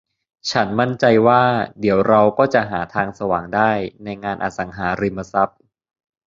ฉันมั่นใจว่า เดี๋ยวเราก็จะหาทางสว่างได้ในงานอสังหาริมทรัพย์